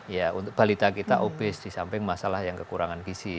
ya untuk balita kita obes di samping masalah yang kekurangan gizi